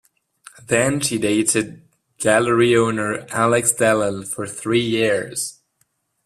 Then she dated gallery owner Alex Dellal for three years.